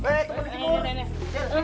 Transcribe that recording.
eh teman di jemur